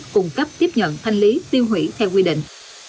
cung cấp tiếp nhận thanh lý tiêu hủy theo quy định